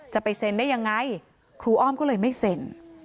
จะไปเซ็นได้ยังไงครูอ้อมก็เลยไม่เซ็น